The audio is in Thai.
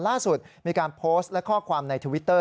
ล่าสุดมีการโพสต์และข้อความในทวิตเตอร์